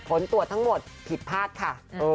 ผลตรวจทั้งหมดผิดพลาดค่ะ